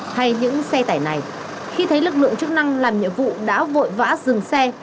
hay những xe tải này khi thấy lực lượng chức năng làm nhiệm vụ đã vội vã dừng xe